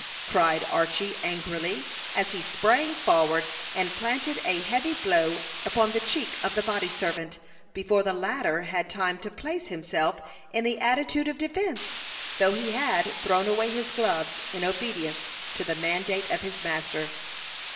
cried Archy, angrily, as he sprang forward, and planted a heavy blow upon the cheek of the body servant before the latter had time to place himself in the attitude of defence, though he had thrown away his gloves in obedience to the mandate of his master.